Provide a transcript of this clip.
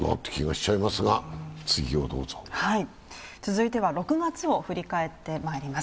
続いては、６月を振り返ってまいります。